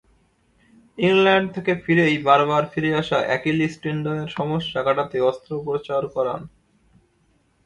England থেকে ফিরেই বারবার ফিরে আসা অ্যাকিলিস টেন্ডনের সমস্যা কাটাতে অস্ত্রোপচার করান।